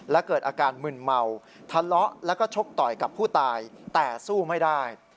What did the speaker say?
และเกิดอาการมึนเมาทะเลาะแล้วก็ชกต่อยกับผู้ตายแต่สู้ไม่ได้